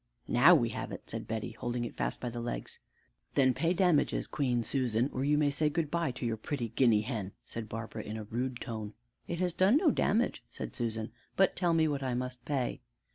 "Now we have it!" said Betty, holding it fast by the legs. "Then pay damages, Queen Susan, or you may say good by to your pretty guinea hen," said Barbara in a rude tone. "It has done no damage," said Susan; "but tell me what I must pay."